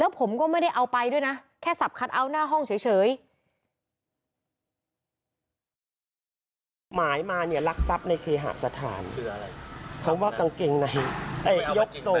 ผมก็ไม่ได้เอาไปด้วยนะแค่สับคัทเอาท์หน้าห้องเฉย